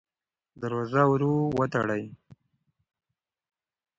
دروازه ورو وتړئ.